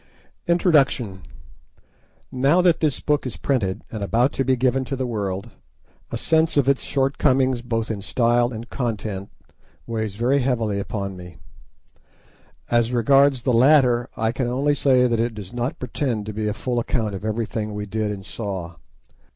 INTRODUCTION Now that this book is printed, and about to be given to the world, a sense of its shortcomings both in style and contents, weighs very heavily upon me. As regards the latter, I can only say that it does not pretend to be a full account of everything we did and saw.